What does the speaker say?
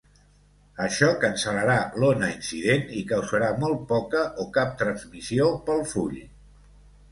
Això cancel·larà l'ona incident i causarà molt poca o cap transmissió pel full.